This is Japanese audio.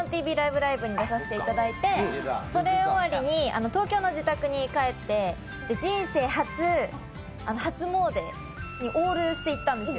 ライブ！」に出させてもらってそれ終わりに東京の自宅に帰って人生初、初詣にオールして行ったんですよ。